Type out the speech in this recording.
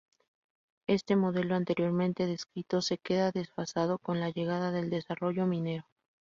Este modelo anteriormente descrito se queda desfasado con la llegada del desarrollo minero.